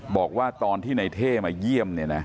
บอกว่าตอนที่ในเท่มาเยี่ยม